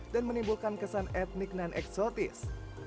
dan menimbulkan kesan etnik dan eksotis